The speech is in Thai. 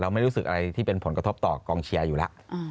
ไม่รู้สึกอะไรที่เป็นผลกระทบต่อกองเชียร์อยู่แล้ว